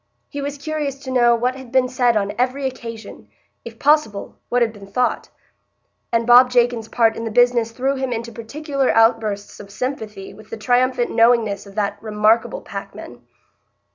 He was curious to know what had been said on every occasion; if possible, what had been thought; and Bob Jakin's part in the business threw him into peculiar outbursts of sympathy with the triumphant knowingness of that remarkable packman.